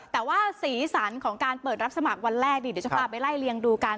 แต่ว่าสีสันของการเปิดรับสมัครวันแรกเดี๋ยวจะพาไปไล่เลียงดูกัน